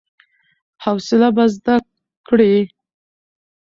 حوصله به زده کړې !